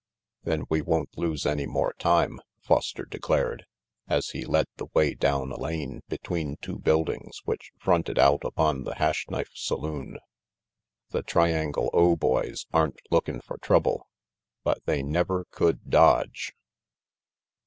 "Then we won't lose any more time," Foster declared, as he led the way down a lane between two buildings which fronted out upon the Hash Knife saloon. "The Triangle O boys aren't lookin' for trouble, but they never could dodge."